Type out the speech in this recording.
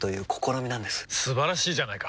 素晴らしいじゃないか！